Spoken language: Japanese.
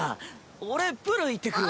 俺プール行ってくるわ。